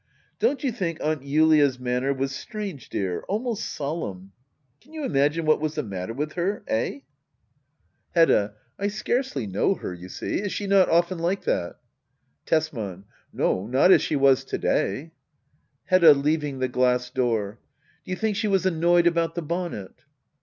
Don't you think Aunt Julia's manner was strange, dear ? Almost solemn ? Can you imagine what was the matter with her ? Eh ? Digitized by Google 26 HEDDA OABLER. [aCT I. Hedda. I scarcely know her^ you see. Is she not often like that? Tesman. No^ not as she was to day. Hedda. [Leaving the glass door,] Do you think she was annoyed about the bonnet